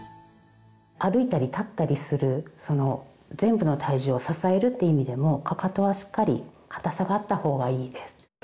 歩いたり立ったりするその全部の体重を支えるって意味でもかかとはしっかり硬さがあった方がいいです。